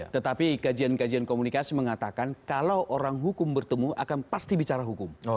tetapi kajian kajian komunikasi mengatakan kalau orang hukum bertemu akan pasti bicara hukum